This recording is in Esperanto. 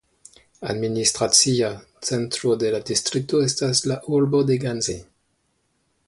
Administracia centro de la distrikto estas la urbo de Ghanzi.